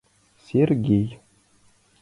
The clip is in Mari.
Сергей.